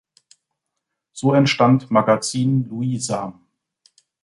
So entstand Magazin Luiza.